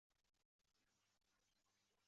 贝莱人口变化图示